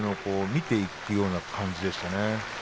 見ていくような感じでしたね。